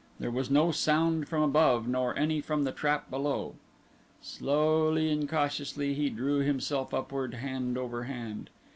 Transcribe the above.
There was no sound from above, nor any from the trap below. Slowly and cautiously he drew himself upward, hand over hand.